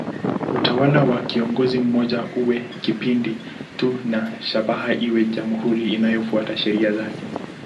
Utawala wa kiongozi mmoja uwe kipindi tu na shabaha iwe jamhuri inayofuata sheria zake.